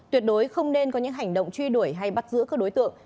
tuyệt đối không nên có những hành động truy đuổi hay bắt giữ các đối tượng